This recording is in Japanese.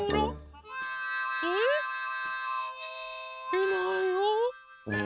いないよ。